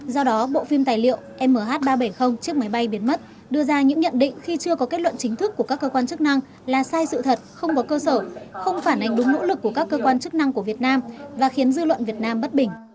do đó bộ phim tài liệu mh ba trăm bảy mươi chiếc máy bay biến mất đưa ra những nhận định khi chưa có kết luận chính thức của các cơ quan chức năng là sai sự thật không có cơ sở không phản ánh đúng nỗ lực của các cơ quan chức năng của việt nam và khiến dư luận việt nam bất bình